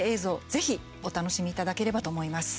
ぜひ、お楽しみいただければと思います。